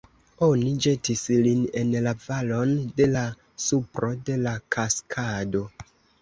Oni ĵetis lin en la valon, de la supro de la kaskado.